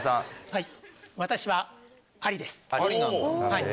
はい。